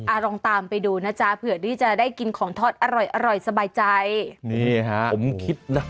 ลองตามไปดูนะจ๊ะเผื่อที่จะได้กินของทอดอร่อยอร่อยสบายใจนี่ฮะผมคิดนะ